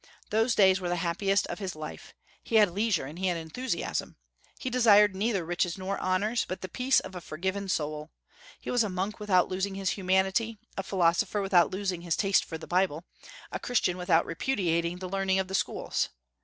Those days were the happiest of his life. He had leisure and he had enthusiasm. He desired neither riches nor honors, but the peace of a forgiven soul He was a monk without losing his humanity; a philosopher without losing his taste for the Bible; a Christian without repudiating the learning of the schools.